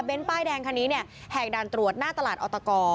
ป้ายแดงคันนี้เนี่ยแหกด่านตรวจหน้าตลาดออตก